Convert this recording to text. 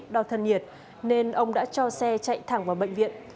đò thân nhiệt nên ông đã cho xe chạy thẳng vào bệnh viện